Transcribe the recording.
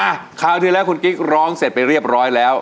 คราวที่แล้วคุณกิ๊กร้องเสร็จไปเรียบร้อยแล้ว